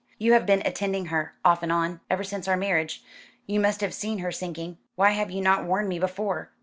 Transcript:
"You have been attending her, off and on, ever since our marriage. You must have seen her sinking. Why have you not warned me before?"